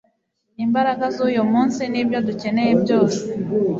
imbaraga zuyu munsi nibyo dukeneye byose